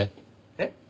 えっ？